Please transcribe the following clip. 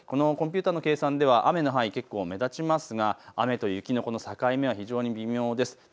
コンピューターの計算では雨の範囲、結構目立ちますが雨と雪の境目は非常に微妙です。